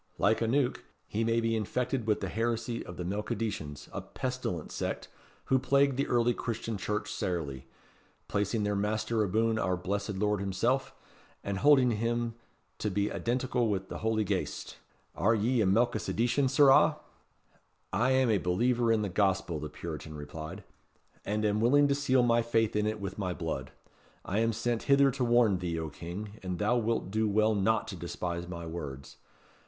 Like aneuch, he may be infected with the heresy of the Melchisedecians, a pestilent sect, who plagued the early Christian Church sairly, placing their master aboon our Blessed Lord himself, and holding him to be identical wi' the Holy Ghaist. Are ye a Melchisedecian, sirrah?" "I am a believer in the Gospel," the Puritan replied. "And am willing to seal my faith in it with my blood. I am sent hither to warn thee, O King, and thou wilt do well not to despise my words.